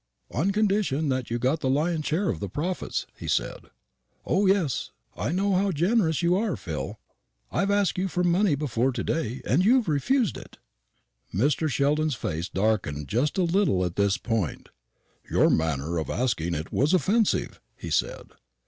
"On condition that you got the lion's share of the profits," he said. "O yes; I know how generous you are, Phil. I have asked you for money before today, and you have refused it." Mr. Sheldon's face darkened just a little at this point. "Your manner of asking it was offensive," he said.